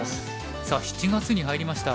さあ７月に入りました。